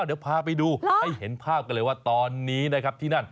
เดี๋ยวพาไปดูให้เห็นภาพกันเลยว่าตอนนี้นะครับที่นั่น